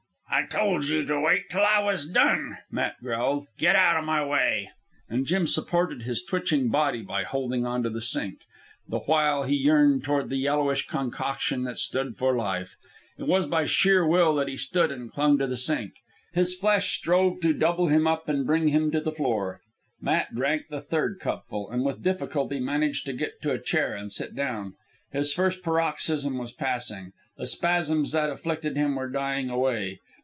"I told you to wait till I was done," Matt growled. "Get outa my way." And Jim supported his twitching body by holding on to the sink, the while he yearned toward the yellowish concoction that stood for life. It was by sheer will that he stood and clung to the sink. His flesh strove to double him up and bring him to the floor. Matt drank the third cupful, and with difficulty managed to get to a chair and sit down. His first paroxysm was passing. The spasms that afflicted him were dying away.